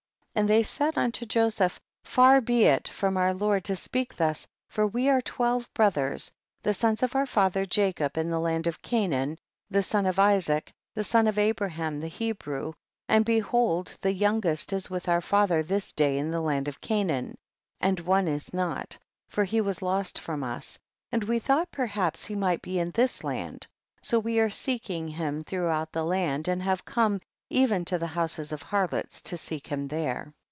26. And they said unto Joseph, far be it from our lord to speak thus, for we arc twelve brothers, the sons of our father Jacob, in the land of Canaan, the son of Isaac, the son of Abraham, the Hebrew, and behold the youngest is with our father this day in the land of Canaan, and one is not, for he was lost from us, and we thought perhaps he might be in this land, so we are seeking him throughout the land, and have come even to the houses of harlots to seek him there.